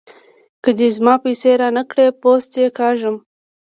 که دې زما پيسې را نه کړې؛ پوست دې کاږم.